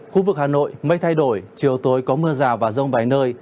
khu vực hà nội mây thay đổi chiều tối có mưa rào và rông vài nơi